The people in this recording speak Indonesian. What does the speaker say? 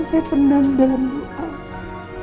saya pendam dalam diri aku